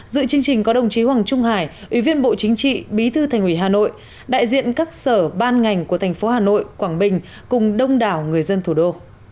dự chương trình có đồng chí hoàng trung hải ủy viên bộ chính trị bí thư thành ủy hà nội đại diện các sở ban ngành của thành phố hà nội quảng bình cùng đông đảo người dân thủ đô